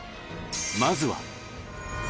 まずは。